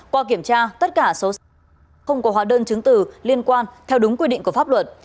qua kiểm tra tất cả số xăng không có hóa đơn chứng tử liên quan theo đúng quy định của pháp luật